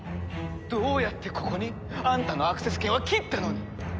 どうやってここに？あんたのアクセス権は切ったのに！